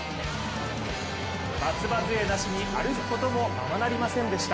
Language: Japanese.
松葉づえなしに歩くこともままなりませんでした。